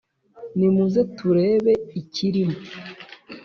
nimuze turebe ikirimo.